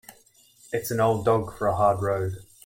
It's an old dog for a hard road.